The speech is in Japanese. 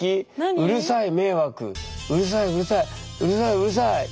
「『うるさい迷惑』『うるさい』『うるさい』『うるさい』『うるさい』」。